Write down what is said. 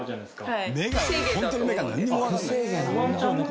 はい。